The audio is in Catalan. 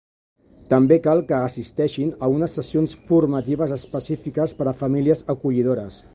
També cal que assisteixin a unes sessions formatives específiques per a famílies acollidores.